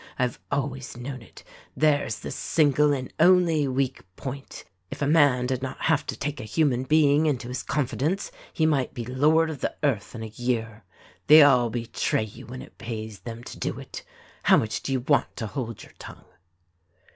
I have always known it — there's the single and only weak point ! If a man did not have to take a human being into his confidence he might be Lord of the Earth in a year. They all betray you whenever it pays them to do it. How much do you want to hold your tongue?"